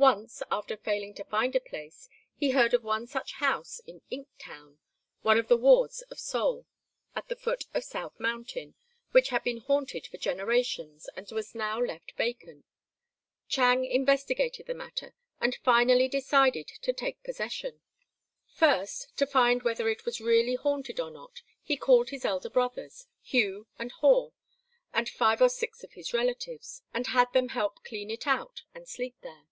Once, after failing to find a place, he heard of one such house in Ink Town (one of the wards of Seoul), at the foot of South Mountain, which had been haunted for generations and was now left vacant. Chang investigated the matter, and finally decided to take possession. First, to find whether it was really haunted or not, he called his elder brothers, Hugh and Haw, and five or six of his relatives, and had them help clean it out and sleep there.